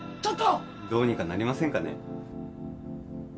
どうにかなりませんかね？